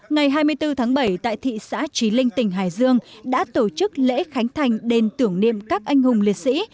ngày hai mươi bốn tháng bảy tại thị xã trí linh tỉnh hải dương đã tổ chức lễ khánh thành đền tưởng niệm các anh hùng liệt sĩ